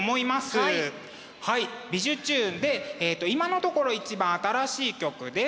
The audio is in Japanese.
はい「びじゅチューン！」で今のところ一番新しい曲です。